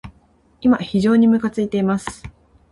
今、非常にむかついています。